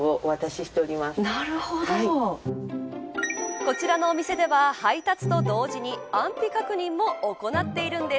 こちらのお店では配達と同時に安否確認も行っているんです。